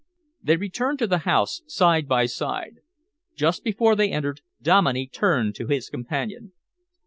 They returned to the house, side by side. Just before they entered, Dominey turned to his companion.